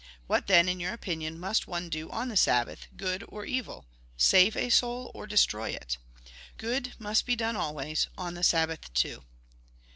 What, then, iu your opinion, must one do on the Sabbath, good or evil : Save a soul or destroy it ? Good must be done always, on the Sabbath too."